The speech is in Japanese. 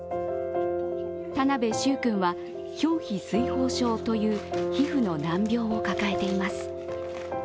田邉柊君は表皮水疱症という皮膚の難病を抱えています。